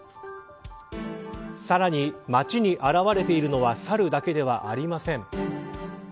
さらに街に現れているのはサルだけではありません。